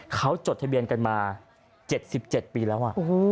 เขาจดทะเบียนกันมา๗๗ปีแล้ว